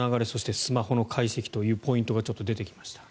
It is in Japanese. スマホの解析というポイントが出てきました。